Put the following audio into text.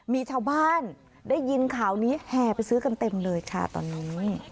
มีชาวบ้านได้ยินข่าวนี้แห่ไปซื้อกันเต็มเลยค่ะตอนนี้